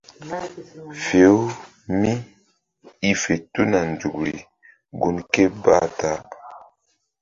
Fe-u mí i fe tuna nzukri gun ké bah ta.